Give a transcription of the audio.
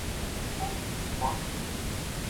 Amek teffeɣ?